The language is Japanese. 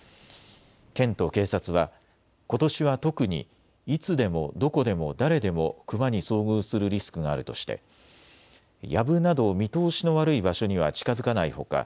県と警察はことしは特にいつでも、どこでも、誰でもクマに遭遇するリスクがあるとしてやぶなど見通しの悪い場所には近づかないほか